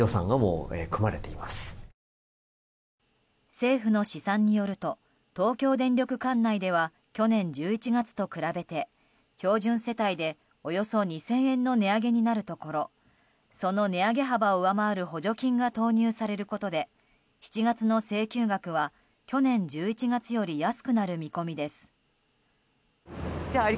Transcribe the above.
政府の試算によると東京電力管内では去年１１月と比べて標準世帯でおよそ２０００円の値上げになるところその値上げ幅を上回る補助金が投入されることで７月の請求額は去年１１月より安くなる見込みです。